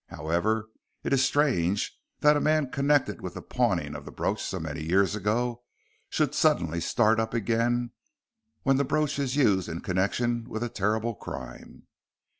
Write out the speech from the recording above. However, it is strange that a man connected with the pawning of the brooch so many years ago should suddenly start up again when the brooch is used in connection with a terrible crime."